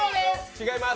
違います。